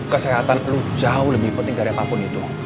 kesehatan lo jauh lebih penting dari apapun itu